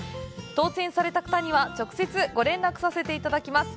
当せんされた方には直接ご連絡させていただきます。